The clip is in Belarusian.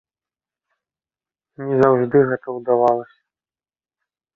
Не заўжды гэта ўдавалася.